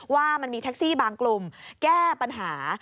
ว่ามันมีแท็กซี่บางกลุ่มแก้ปัญหา